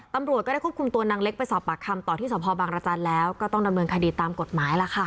ตำรวจก็ได้ควบคุมตัวนางเล็กไปสอบปากคำต่อที่สพบางรจันทร์แล้วก็ต้องดำเนินคดีตามกฎหมายล่ะค่ะ